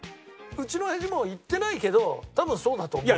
うちの親父も言ってないけど多分そうだと思う。